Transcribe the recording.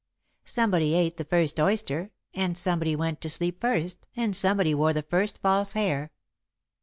Somebody ate the first oyster and somebody went to sleep first and somebody wore the first false hair.